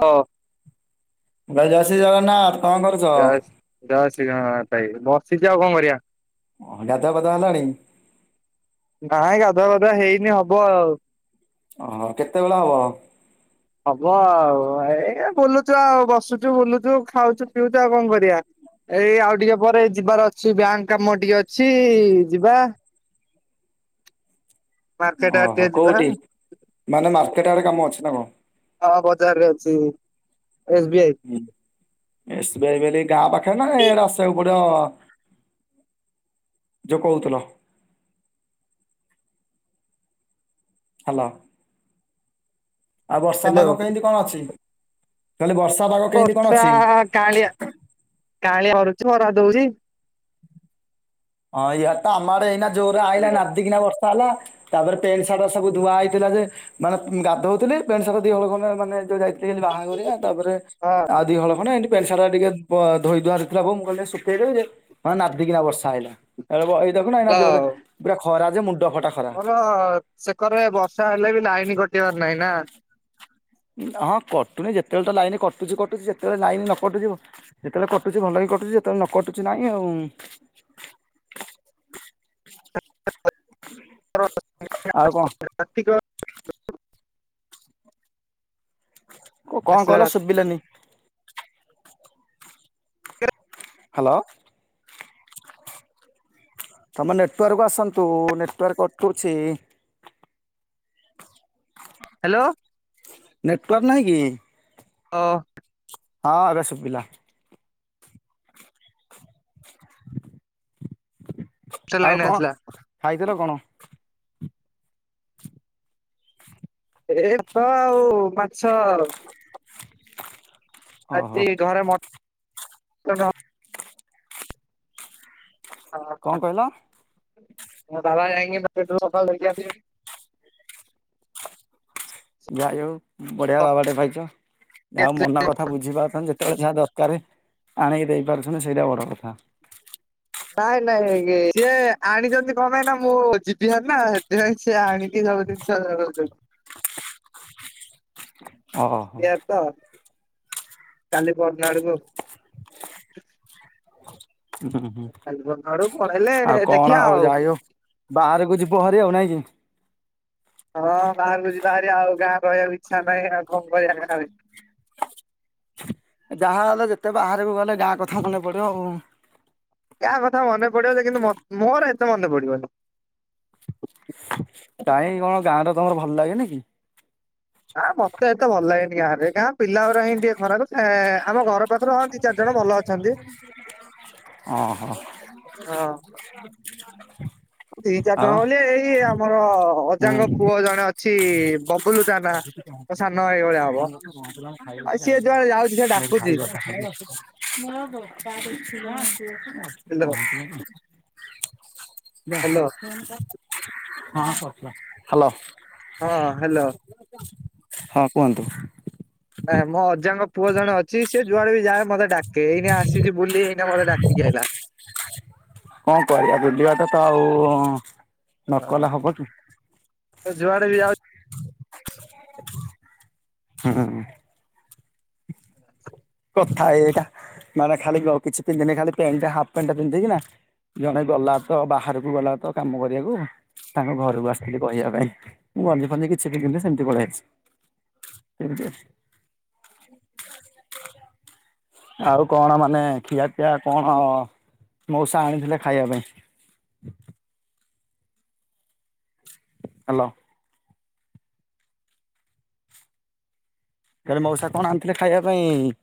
କ ଭାଇ ଜୟ ଶ୍ରୀ ଜଗନ୍ନାଥ। କଣ କରୁଛ? ହଁ ଜୟ ଶ୍ରୀ ଜଗନ୍ନାଥ ଭାଇ ବସିଛି ଆଉ କଣ କରିବା। ଓ ଗାଧୁଆ ପାଧୁଆ ହେଲାଣି। ନାଇଁ ଗାଧୁଆ ପାଧୁଆ ହେଇନି ହବ ଆଉ। ଓହୋ କେତେବେଳେ ହବ? ହବ ଆଉ ଏଇ ବୁଲୁଛୁ ଆଉ ବସୁଛୁ ବୁଲୁଛୁ ଖାଉଛୁ ପିଉଛୁ ଆଉ କଣ କରିବା। ଏଇ ଆଉ ଟିକେ ପରେ ଯିବାର ଅଛି ବ୍ୟାଙ୍କ କାମ ଟିକେ ଅଛି ଯିବା। ମାର୍କେଟ ଆଡେ ଟିକେ ଓହୋ ଯିବା କୋଉଠି ମାନେ ମାର୍କେଟ ଆଡେ କାମ ଅଛି ନା କଣ? ହଁ ବଜାର ରେ ଅଛି ଏସ୍ ବି ଆଇ। ହୁଁ ଏସ ବି ଆଇ ଗାଁ ପାଖରେ ନା ୟାଡେ ଆସିବାକୁ ପଡିବ। ଯୋ କହୁଥିଲ। ହ୍ୟାଲୋ। ଆଉ ବର୍ଷା ହ୍ୟାଲୋ। ପାଗ କେମିତି କଣ ଅଛି କହିଲେ ବର୍ଷା ପାଗ କେମିତି କଣ ବର୍ଷା ଅଛି? କାଳିଆ କାଳିଆ ମରୁଛି ବରା ଦଉଛି। ହଁ ୟା ତ ଆମଆଡେ ତ ଏଇନା ଜୋରରେ ଆଇିଲା ହଁ ନଦିକିନା ବର୍ଷ ଟାଲା ତାପରେ ପ୍ୟାଣ୍ଟ ସାର୍ଟ ସବୁ ଧୁଆ ହେଇଥିଲା ଯେ ମାନେ ଗାଧଉଥିଲେ ପେଣ୍ଟ ସାର୍ଟ ଦି ହଳ ମାନେ ଯୋଉ ଯାଇ ଏମିତି ବାହା କରିବା ତାପରେ ଆଦି ହଳ ଖଣ୍ଡେ ପେଣ୍ଟ ସାର୍ଟ ଟିକେ ଧୋଇ ଧୁଆ ଦେଇଥିଲା ବୋଉ ମୁଁ କହିଲି ଶୁଖେଇ ଦେବି ଯେ ନାଦିକିନା ବର୍ଷା ଆଇଲା। ଏଇ ଦେଖ ଏଇ ଦେଖୁନ ଏଇଟା ଜୋରେ ହ୍ୟାଲୋ। ପୁରା ଖରା ଯେ ମୁଣ୍ଡ ଖଟା ମୋର ସେକରେ ବର୍ଷା ହେଲେ ବି ଲାଇନ କଟିବାର ନାହିଁ ନା। ହଁ କଟୁନି ଯେତେବେଳେ ତ ଲାଇନ୍ କଟୁଚି କଟୁଚି ଯେତେବେଳେ ଲାଇନ୍ ନ କଟୁଚି ଯେତେବେଳେ କଟୁଛି ଭଲ କି କଟୁଛି ଯେତେବେଳେ ନ କଟୁଛି ନାଇଁ ଆଉ। ଆଉ କଣ? ଆର୍ତିିକ ଓଉ କଣ ଆସିଲା କହିଲ ରାତି ଶୁଭିଲାନି? ହ୍ୟାଲୋ। ତୁମ ନେଟୱାର୍କ ଆସନ୍ତୁ ନେଟୱାର୍କ କଟୁଛି। ହ୍ୟାଲୋ। ନେଟୱାର୍କ ନାହିଁ କି? ଅ ହଁ ଏବେ ସୁବିଲା। ସେ ଆଉ ଲାଇନ କଣ ଆସିଲା ଖାଇଥିଲ କଣ? ଏତ ଆଉ ମାଛ ଆଉ। ଓହୋ ଆଜି ଘରେ ମଟନ ହଁ କଣ ହଁ କହିଲ ମୁଁ ଢାବା ଯାଇଙ୍କି [unintelligible] ଯାଇ ହୋଉ ବଢିଆ ବାବାଟେ ପାଇଛ ଯା ହୋଉ ମନ କଥା ବୁଝି ପାରୁଛନ୍ତି ତମେ ଯେତେ ଯେତେବେଳେ ଯାହା ଦରକାର ଆଣିକି ଦେଇ ପାରୁଛନ୍ତି ସେଇଟା ବଡ କଥା। ନାଇଁ ନାଇଁ ଇଏ ସିଏ ଆଣିଚନ୍ତି କଣ ପାଇଁ ନା ମୁଁ ଯିବି ହାରି ନା ସେଥିପାଇଁ ସିଏ ଆଣିକି ସବୁଦିନ [unintelligible] ଅ ହ। ହାରି ତ କାଲି ପଅରଦିନ ଆଡକୁ। ହୁଁ ହୁଁ କାଲି ପରଦିନ ଆଡକୁ ପଳେଇଲେ ଆଉ କଣ ଦେଖିବା ଆଉ ଯାଇ ହୋଉ ବାହାରକୁ ଯିବହା ରି ଆଉ ନାଇଁ କି। ହଁ ବାହାରୁକୁ ଯିବାହାରି ଆଉ ଗାଁ ରହିବାକୁ ଇଚ୍ଛା ନାହିଁ ଆଉ କଣ କରିବା ଗାଁରେ। ଯାହା ହେଲେ ଯେତେ ବାହାରକୁ ଗଲେ ଗାଁ କଥା ମନେ ପଡିବ ଆଉ। ଗାଁ କଥା ମନେ ପଡିବ ଯେ କିନ୍ତୁ ମୋର ହେତେ ମନେ ପଡିବନି। କାଇଁ କଣ ଗାଁ ଟା ତମର ଭଲ ଲାଗେନି କି? ଆଁ ମତେ ଏତେ ଭଲ ଲାଗେନି ଗାଁରେ ଗାଁ ପିଲାଉରା ହିଁ ଟିକେ ଖରାପ ଆମ ଘର ପାଖରୁ ହଁ ଦି ଚାରି ଜଣ ଭଲ ଅଛନ୍ତି। ଅଛନ୍ତି। ଅ ହ। ଦି ଚାରି ଜଣ ବୋଲି ଏଇ ଆମର ଅଜାଙ୍କ ପୁଅ ଜଣେ ଅଛି ପପ [unintelligible] ଆଉ ସିଏ ଯୁଆଡେ [unintelligible] ଯାଉଛି ସିଏ ଡାକୁଛି ମୋର ଦରକାର ହ୍ୟାଲୋ [unintelligible] ହ୍ୟାଲୋ [unintelligible] ହାଲୋ। ହଁ ହାଲୋ। ହଁ କୁହନ୍ତୁ। ଏ ମୋ ଅଜାଙ୍କ ପୁଅ ଜଣେ ଅଛି ସେଯୁଆଡେ ବି ଯାଏ ମତେ ଡାକେ ଏଇନା ଆସିଚି ବୁଲି ଏଇନା ମତେ ଡାକିକି ଆଇଲା। କଣ କରିବା [unintelligible] ତ ଆଉ ନକଲେ ହବ କି। ସେ ଯୁଆଡେ ବି ଯାଉ ହୁଁ। କଥା ହେଇ ହେଇକା ମାନେ ଖାଲି କିଛି ପିନ୍ଧିନି ଖାଲି ପେଣ୍ଟ ହାପ୍ ପେଣ୍ଟ ଟା ପିନ୍ଧି କିନା ଜଣେ ଗଲାତ ବାହାରକୁ ଗଲାତ କାମ କରିବାକୁ ତାଙ୍କ ଘରକୁ ଆସିଥିଲି କହିବା ପାଇଁ ମୁଁ ଗଞ୍ଜି ଫଞ୍ଜି କିଛି ବି ପିନ୍ଧିନି ସେମିତି ପଳେଇ ଆଇଚି। [unintelligible] ଆଉ କଣ ମାନେ ଖିଆପିଆ କଣ ମଉସା ଆଣିଥିଲେ ଖାଇବା ପାଇଁ? ହାଲୋ। କାଲି ମଉସା କଣ ଆଣିଥିଲେ ଖାଇବା ପାଇଁ।?